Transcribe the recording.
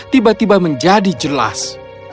tiba tiba menjadi jelas